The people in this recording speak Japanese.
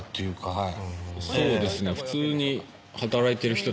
はい。